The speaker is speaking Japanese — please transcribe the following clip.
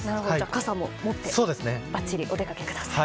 傘も持ってばっちりお出かけください。